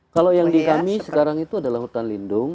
kalau yang di kami sekarang itu adalah hutan lindung